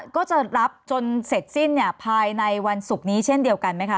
ก็จะรับจนเสร็จสิ้นภายในวันศุกร์นี้เช่นเดียวกันไหมคะ